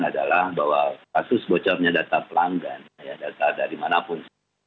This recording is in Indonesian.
adalah bahwa kasus bocornya data pelanggan data dari manapun